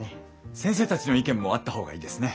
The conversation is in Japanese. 先生たちの意見もあった方がいいですね。